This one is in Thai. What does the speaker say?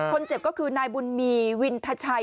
คนเจ็บก็คือนายบุญมีวินทชัย